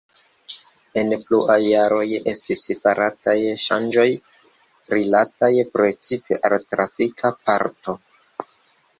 En pluaj jaroj estis farataj ŝanĝoj rilataj precipe al trafika parto.